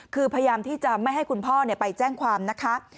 คือพยายามที่จะไม่ให้คุณพ่อไปแจ้งความนะคะ